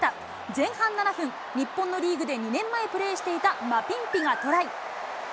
前半７分、日本のリーグで２年前プレーしていたマピンピがトライ。